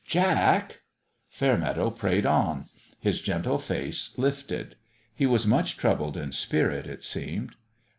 "Jack!" Fairmeadow prayed on his gentle face lifted. He was much troubled in spirit, it seemed.